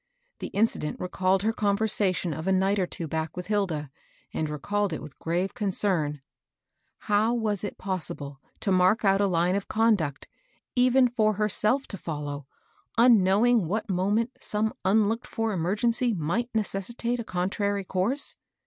The incident recalled her conversa tion of a night or two back with Hilda, and re called it with grave concern. How was it possible to mark out a line of conduct, even for herself to follow, unknowing what moment some unlooked for emergency might necessitate a contrary course